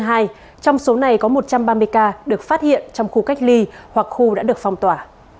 trong số này có một trăm ba mươi ca được phát hiện trong khu cách ly hoặc khu đã được phong tỏa